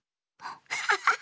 アハハハ。